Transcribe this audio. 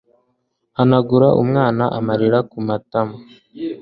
hanagura umwana amarira ku matama